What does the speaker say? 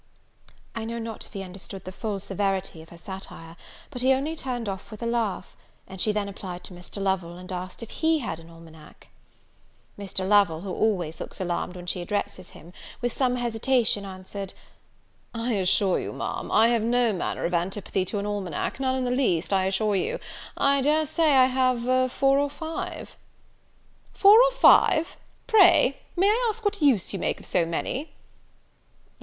I now not if he understood the full severity of her satire, but he only turned off with a laugh: and she then applied to Mr. Lovel, and asked if he had an almanack? Mr. Lovel, who always looks alarmed when she addresses him, with some hesitation answered, "I assure you, Ma'am, I have no manner of antipathy to an almanack, none in the least, I assure you; I dare say I have four or five." "Four or five! pray, may I ask what use you make of so many?"